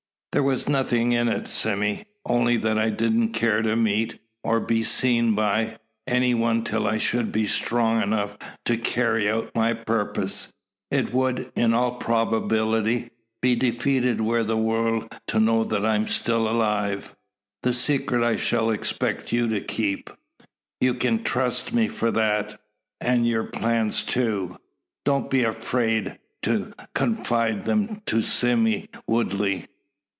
"There was nothing in it, Sime. Only that I didn't care to meet, or be seen by, any one till I should be strong enough to carry out my purpose. It would, in all probability, be defeated were the world to know I am still alive. That secret I shall expect you to keep." "You kin trust to me for that; an' yur plans too. Don't be afeerd to confide them to Sime Woodley.